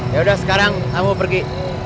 yaudah sekarang kamu pergi